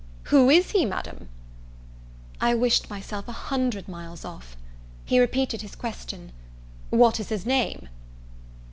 "Who is he, Madam?" I wished myself a hundred miles off. He repeated his question, "What is his name?"